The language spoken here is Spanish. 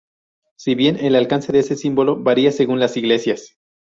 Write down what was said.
Si bien el alcance de este símbolo varía según las iglesias.